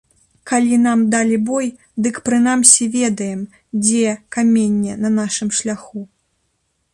Калі нам далі бой, дык прынамсі ведаем, дзе каменне на нашым шляху.